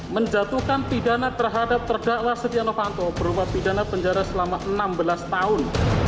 menjatuhkan pidana terhadap terdakwa setia novanto berupa pidana penjara selama enam belas tahun